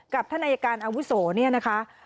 กับธนายการอาวุโสนะคะ